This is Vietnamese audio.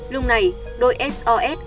lúc này đôi sos